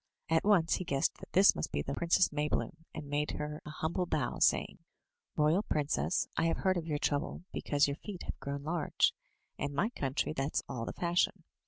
At once he guessed that this must be the Princess Maybloom, and made her an humble bow, saying: "Royal princess, I have heard of your trouble because your feet have grown large; in my country that's all the fashion.